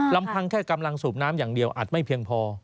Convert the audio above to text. ลำพังแค่กำลังสูบน้ำอย่างเดียวอาจไม่เพียงพอ